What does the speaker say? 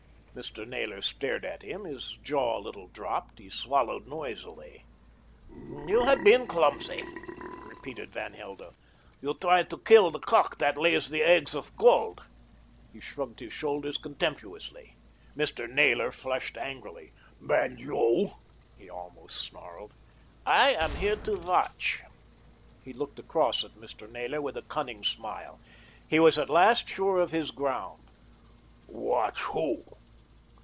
Mr. Naylor stared at him, his jaw a little dropped. He swallowed noisily. "You have been clumsy," repeated Van Helder. "You try to kill the cock that lays the eggs of gold." He shrugged his shoulders contemptuously. Mr. Naylor flushed angrily. "And you?" he almost snarled. "I am here to watch." He looked across at Mr. Naylor with a cunning smile. He was at last sure of his ground. "Watch who?"